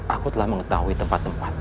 aku telah mengetahui tempat tempat